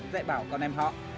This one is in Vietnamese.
dạy bảo con em họ